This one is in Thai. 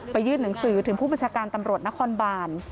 ยื่นหนังสือถึงผู้บัญชาการตำรวจนครบาน